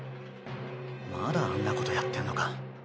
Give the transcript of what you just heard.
まだあんなことやってんのか。